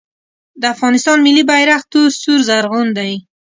د افغانستان ملي بیرغ تور سور زرغون دی